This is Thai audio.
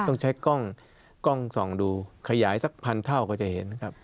ต้องใช้กล้องส่องดูขยายสักพันเท่าก็จะเห็นนะครับ